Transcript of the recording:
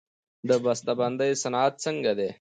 د بسته بندۍ صنعت څنګه دی؟